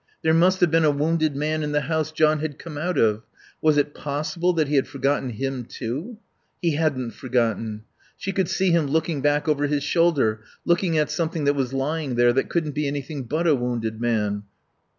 There must have been a wounded man in the house John had come out of. Was it possible that he had forgotten him, too?... He hadn't forgotten. She could see him looking back over his shoulder; looking at something that was lying there, that couldn't be anything but a wounded man.